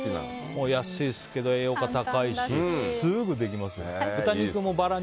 安いですけど栄養価高いしすぐできます。